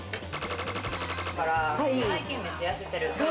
〇〇から最近めっちゃ痩せてる。